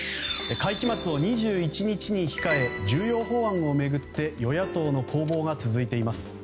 会期末を２１日に控え重要法案を巡って与野党の攻防が激化しています。